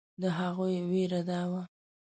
د هغوی وېره دا وه.